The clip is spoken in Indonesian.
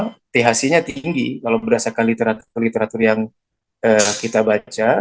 kalau jenis sativa berarti kan thc nya tinggi kalau berdasarkan literatur literatur yang kita baca